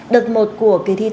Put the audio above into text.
đợt một của kỳ tiết